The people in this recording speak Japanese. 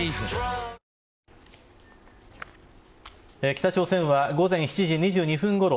北朝鮮は午前７時２２分ごろ